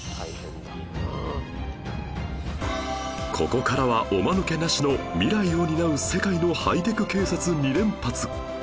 ここからはおまぬけなしの未来を担う世界のハイテク警察２連発